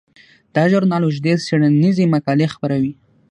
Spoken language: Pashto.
دا ژورنال اوږدې څیړنیزې مقالې خپروي.